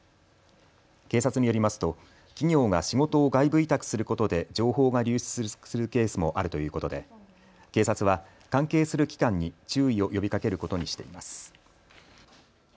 警察によりますと企業が仕事を外部委託することで情報が流出するケースもあるということで警察は関係する機関に注意を呼びかけることにしています。